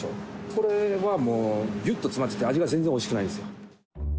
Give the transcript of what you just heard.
これはもうぎゅっと詰まっちゃってて、味は全然おいしくないんですよ。